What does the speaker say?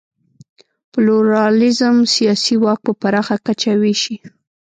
پلورالېزم سیاسي واک په پراخه کچه وېشي.